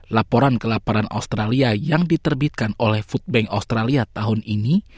laporan kelaparan australia yang diterbitkan oleh food bank australia tahun ini